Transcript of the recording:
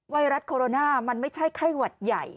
ไวรัสโคโรนามันไม่ใช่ไข้หวัดใหญ่